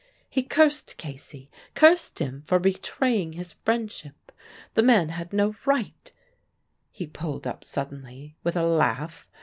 He cursed Casey; cursed him for betraying his friendship. The man had no right He pulled up suddenly, with a laugh.